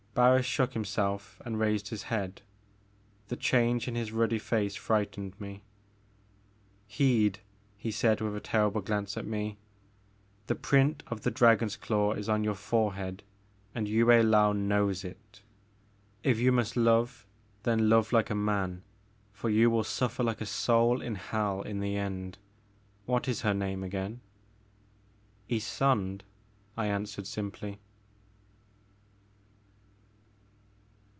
Barris shook himself and raised his head. The change in his ruddy face frightened me. Heed I " he said, with a terrible glance at me ; the print of the dragon's claw is on your fore 6o The Maker of Moons. head and Yue Laou knows it. If you must love, then love like a man, for you will su£kr like a soul in hell, in the end. What is her name again?" '* Ysonde, I answered simply.